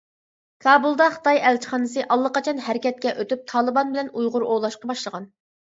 كابۇلدا خىتاي ئەلچىخانىسى ئاللىقاچان ھەرىكەتكە ئۆتۈپ تالىبان بىلەن ئۇيغۇر ئوۋلاشقا باشلىغان.